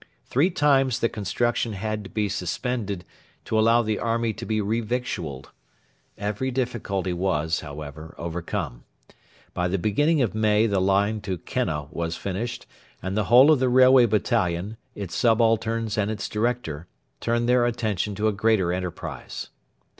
Three times the construction had to be suspended to allow the army to be revictualled. Every difficulty was, however, overcome. By the beginning of May the line to Kenna was finished, and the whole of the Railway Battalion, its subalterns and its director, turned their attention to a greater enterprise.